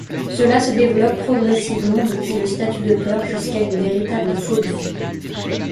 Cela se développe progressivement depuis le statut de peur jusqu'à une véritable phobie.